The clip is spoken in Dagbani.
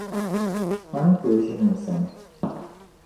A ni tooi ʒini n sani .